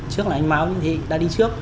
trước là anh mão trước là anh mão